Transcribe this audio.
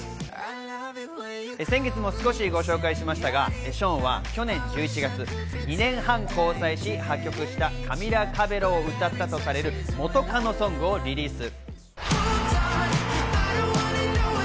先月も少しご紹介しましたが、ショーンは去年１１月、２年半交際し破局したカミラ・カベロを歌ったとされる元カノソングをリリース。